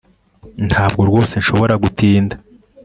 Ntabwo rwose nshobora gutinda